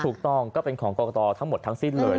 ถูกต้องก็เป็นของกรกฎอทั้งหมดทั้งสิ้นเลย